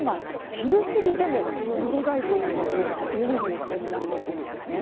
昼過ぎでも１０度台というところが多い予想になってきているんです。